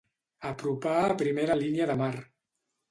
Apropar a primera línia de mar.